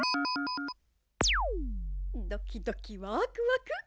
ドキドキワクワク。